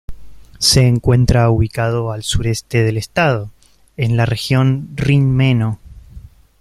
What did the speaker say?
Se encuentra ubicado al suroeste del estado, en la región Rin-Meno.